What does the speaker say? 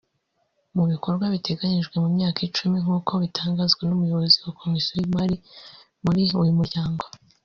Mu bikorwa biteganyijwe mu myaka icumi nkuko bitangazwa n’umuyobozi wa Komisiyo y’Imari muri uyu muryango